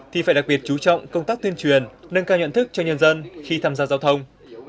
thì phải đặc biệt chú trọng công tác tuyên truyền nâng cao nhận thức cho nhân dân khi tham gia giao thông